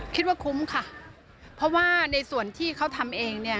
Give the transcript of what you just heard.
คิดว่าคุ้มค่ะเพราะว่าในส่วนที่เขาทำเองเนี่ย